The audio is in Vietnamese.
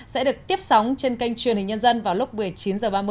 sẽ được tiếp sóng trên kênh truyền hình nhân dân vào lúc một mươi chín h ba mươi